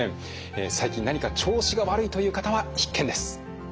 最近何か調子が悪いという方は必見です。